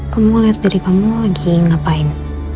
kamu lihat diri kamu lagi ngapain